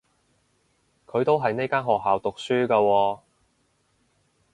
佢都喺呢間學校讀書㗎喎